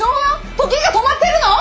時が止まってるの？